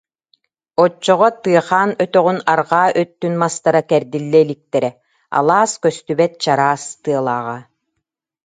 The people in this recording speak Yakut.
Оччоҕо Тыахан өтөҕүн арҕаа өттүн мастара кэрдиллэ иликтэрэ, алаас көстүбэт чараас тыалааҕа